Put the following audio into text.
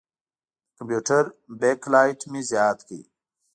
د کمپیوټر بیک لایټ مې زیات کړ.